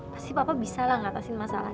pasti papa bisa lah ngatasin masalah